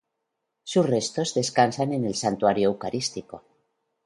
Sus restos descansan en el Santuario Eucarístico.